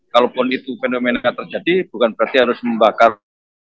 kalaupun itu fenomena terjadi bukan berarti harus membakar